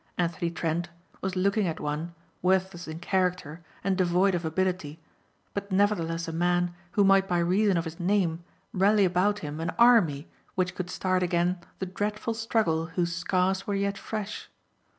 Anthony Trent was looking at one, worthless in character and devoid of ability but nevertheless a man who might by reason of his name rally about him an army which could start again the dreadful struggle whose scars were yet fresh.